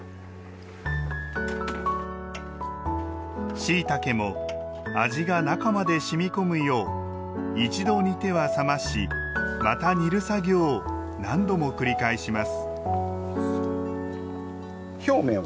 しいたけも味が中まで染み込むよう一度煮ては冷ましまた煮る作業を何度も繰り返します